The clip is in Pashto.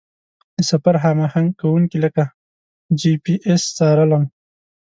د سفر هماهنګ کوونکي لکه جي پي اس څارلم.